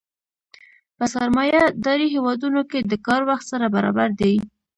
په سرمایه داري هېوادونو کې د کار وخت سره برابر دی